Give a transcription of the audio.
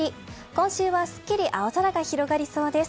今週はすっきり青空が広がりそうです。